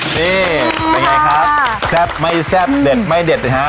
นี่เป็นไงครับแซ่บไม่แซ่บเด็ดไม่เด็ดนะฮะ